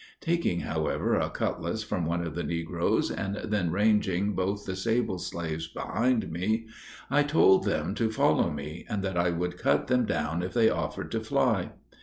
Taking, however, a cutlass from one of the negroes, and then ranging both of the sable slaves behind me, I told them to follow me, and that I would cut them down if they offered to fly.